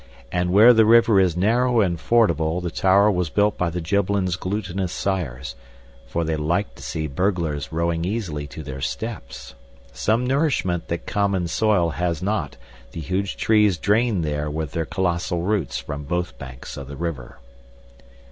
And where the river is narrow and fordable the tower was built by the Gibbelins' gluttonous sires, for they liked to see burglars rowing easily to their steps. Some nourishment that common soil has not the huge trees drained there with their colossal roots from both banks of the river.